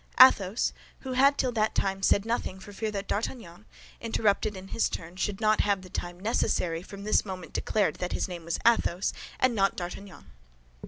Athos, who had till that time said nothing for fear that D'Artagnan, interrupted in his turn, should not have the time necessary, from this moment declared that his name was Athos, and not D'Artagnan.